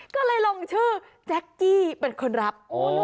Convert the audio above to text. ก็เลยลงชื่อแจ๊กกี้เป็นคนรับ